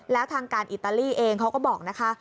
แล้วทางการอิตาลีเองเขาก็บอกนะคะ